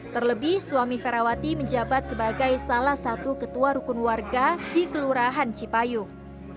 terlebih suami ferawati menjabat sebagai salah satu ketua rukun warga di kelurahan cipayung